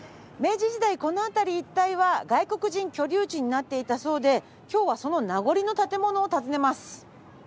明治時代この辺り一帯は外国人居留地になっていたそうで今日はその名残の建物を訪ねます。